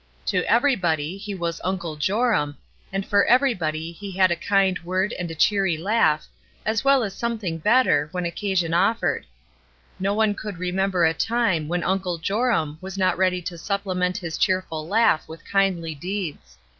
To everybody he was ''Uncle Joram," and for everybody he had a kmd word and a cheery laugh, as well as 319 320 ESTER RIED'S NAMESAKE something better, when occasion offered. No one could remember a time when Uncle Joram was not ready to supplement his cheerful laugh with kindly deeds.